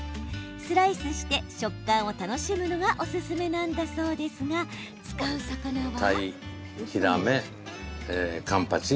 スライスして食感を楽しむのがおすすめなんだそうですが使う魚は。